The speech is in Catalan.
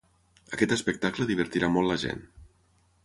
Aquest espectacle divertirà molt la gent.